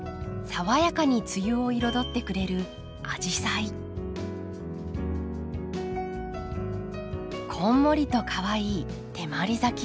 爽やかに梅雨を彩ってくれるこんもりとかわいい手まり咲き。